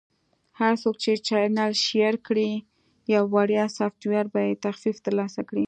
- هر څوک چې چینل Share کړي، یو وړیا سافټویر یا تخفیف ترلاسه کړي.